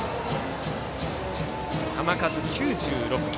球数９６球。